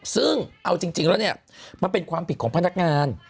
ซึ่งเอาจริงแล้วเนี่ยมันเป็นความผิดของพนักงาน